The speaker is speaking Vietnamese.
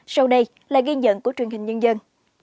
sau đây là ghi nhận của truyền hình nhân dân